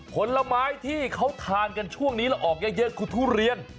ผลไม้ที่เขาทานกันช่วงนี้แล้วออกเยอะคือทุเรียน